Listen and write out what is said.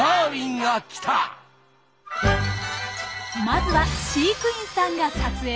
まずは飼育員さんが撮影！